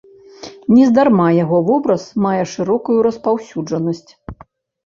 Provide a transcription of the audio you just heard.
Нездарма яго вобраз мае шырокую распаўсюджанасць.